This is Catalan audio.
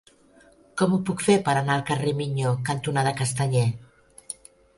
Com ho puc fer per anar al carrer Miño cantonada Castanyer?